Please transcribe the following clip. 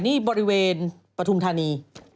นี่บริเวณปฐุมธานี